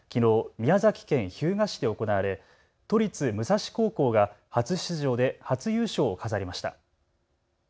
宮崎県日向市で行われ都立武蔵高校が初出場で初優勝を飾りました。